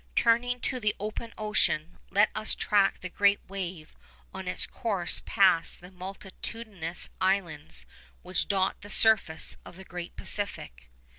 Turning to the open ocean, let us track the great wave on its course past the multitudinous islands which dot the surface of the great Pacific.